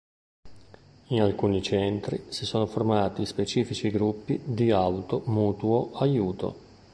In alcuni centri si sono formati specifici gruppi di auto mutuo aiuto.